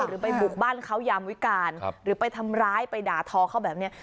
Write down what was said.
หรือไปบุกบ้านเขายามวิการหรือไปทำร้ายไปด่าทอเขาแบบนี้